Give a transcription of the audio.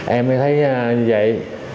em mới thấy như vậy